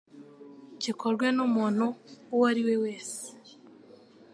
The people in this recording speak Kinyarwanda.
gikorwe n'umuntu uwo ari we wese